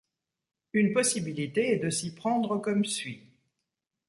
Une possibilité est de s'y prendre comme suit.